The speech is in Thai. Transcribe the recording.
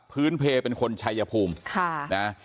พื้นเพรย์เป็นคนชัยภูมิค่ะ